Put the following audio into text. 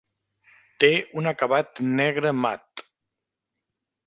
Té un acabat negre mat.